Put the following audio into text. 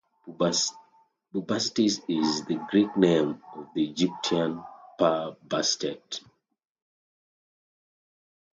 Bubastis is the Greek name of the Egyptian Per-Bastet.